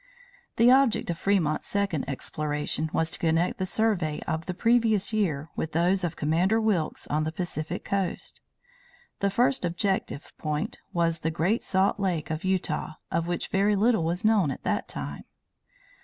The object of Fremont's second exploration was to connect the survey of the previous year with those of Commander Wilkes on the Pacific coast. The first objective point was the Great Salt Lake of Utah, of which very little was known at that time.